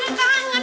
gue juga tangan